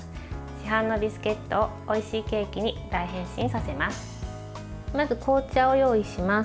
市販のビスケットをおいしいケーキに大変身させます。